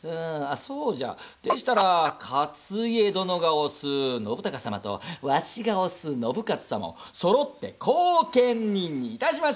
そうじゃでしたら勝家殿が推す信孝様とワシが推す信雄様をそろって後見人にいたしましょう！